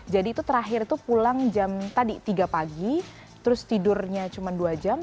jadi itu terakhir itu pulang jam tadi tiga pagi terus tidurnya cuma dua jam